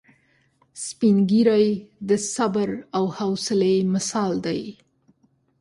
سپین ږیری د صبر او حوصلې مثال دی